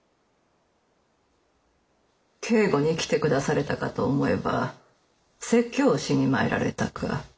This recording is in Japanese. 警護に来てくだされたかと思えば説教をしに参られたか。